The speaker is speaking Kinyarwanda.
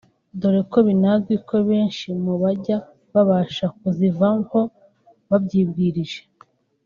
dore ko binazwi ko benshi mu bajya babasha kuzivaho babyibwirije